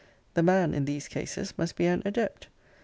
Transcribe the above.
The man, in these cases, must be an adept.